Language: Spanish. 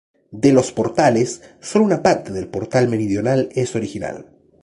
De los portales, sólo una parte del portal meridional es original.